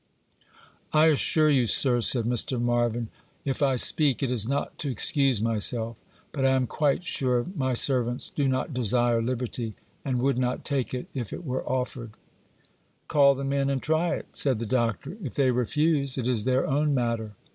'I assure you, sir,' said Mr. Marvyn, 'if I speak, it is not to excuse myself. But I am quite sure my servants do not desire liberty, and would not take it, if it were offered.' 'Call them in and try it,' said the Doctor. 'If they refuse, it is their own matter.